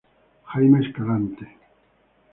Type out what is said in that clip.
Jaime Escalante